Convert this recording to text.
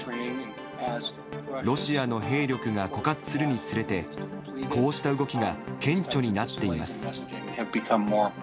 ロシアの兵力が枯渇するにつれて、こうした動きが顕著になっています。